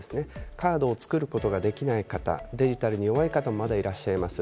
カードを作ることができない方、デジタルに弱い方もいらっしゃいます。